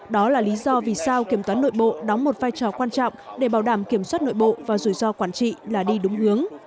đó là lý do vì sao kiểm toán nội bộ đóng một vai trò quan trọng để bảo đảm kiểm soát nội bộ và rủi ro quản trị là đi đúng hướng